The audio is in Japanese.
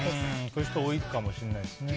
こういう人多いかもしれないですね。